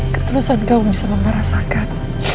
ketulusan kamu bisa memperasakan